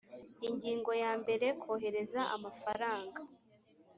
ingingo ya mbere kohereza amafaranga